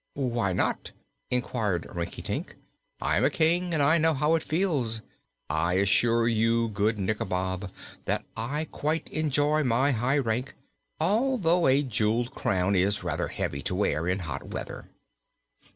"Why not?" inquired Rinkitink. "I'm a King, and I know how it feels. I assure you, good Nikobob, that I quite enjoy my high rank, although a jeweled crown is rather heavy to wear in hot weather."